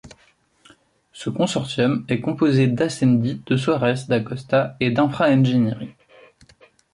Ce consortium est composé d’ Ascendi, de Soares da Costa et d’ Infra Engineering.